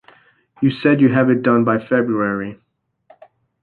You said you'd have it done by February.